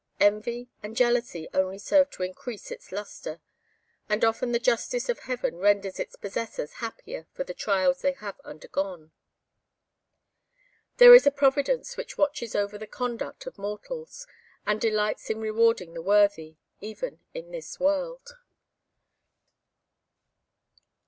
Envy and jealousy only serve to increase its lustre; and often the justice of Heaven renders its possessors happier for the trials they have undergone. There is a Providence which watches over the conduct of mortals, and delights in rewarding the worthy, even in this world.